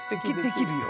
できるよ？